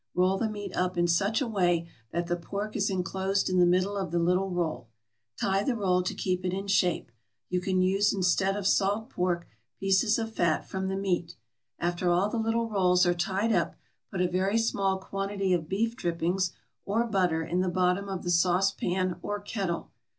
Roll the meat up in such a way that the pork is inclosed in the middle of the little roll. Tie the roll to keep it in shape. You can use instead of salt pork pieces of fat from the meat. After all the little rolls are tied up put a very small quantity of beef drippings or butter in the bottom of the saucepan or kettle.